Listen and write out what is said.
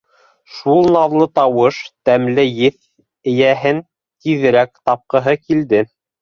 Шул наҙлы тауыш, тәмле еҫ эйәһен тиҙерәк тапҡыһы килде.